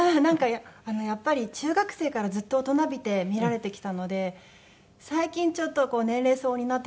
やっぱり中学生からずっと大人びて見られてきたので最近ちょっと年齢相応になってきたというか。